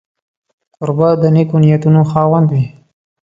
کوربه د نېکو نیتونو خاوند وي.